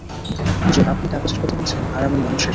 হুজুর, আপনি কাগজের কথা বলছেন, আর আমি মানুষের।